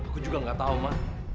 aku juga gak tau ma